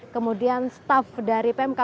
kemudian staf dari pemkap